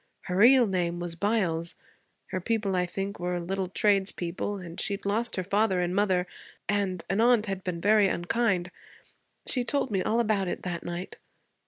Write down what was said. Her real name was Byles. Her people, I think, were little tradespeople, and she'd lost her father and mother, and an aunt had been very unkind. She told me all about it that night.